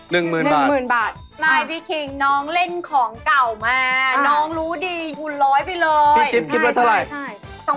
พี่คิงคิดว่าองค์ใบนี้ราคาเท่าไรครับ